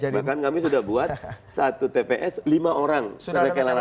bahkan kami sudah buat satu tps lima orang